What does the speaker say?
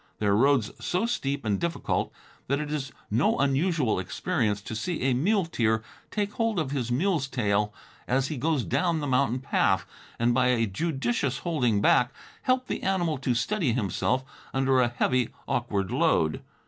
There are roads so steep and difficult that it is no unusual experience to see a muleteer take hold of his mule's tail as he goes down the mountain path, and by a judicious holding back, help the animal to steady himself under a heavy, awkward load.